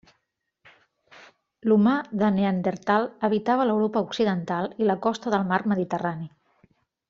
L'humà de Neandertal habitava l'Europa occidental i la costa del mar Mediterrani.